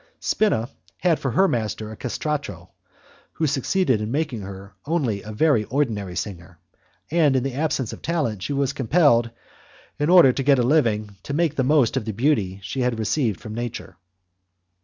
Spina had for her master a castrato who succeeded in making of her only a very ordinary singer, and in the absence of talent she was compelled, in order to get a living, to make the most of the beauty she had received from nature.